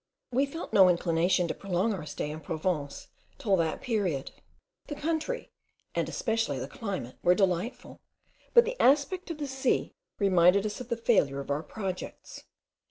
We felt no inclination to prolong our stay in Provence till that period. The country, and especially the climate, were delightful, but the aspect of the sea reminded us of the failure of our projects.